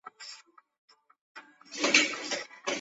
任何人不得迫使隶属于某一团体。